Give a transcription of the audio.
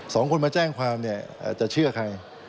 สองคนมาแจ้งความเนี่ยจะเชื่อใคร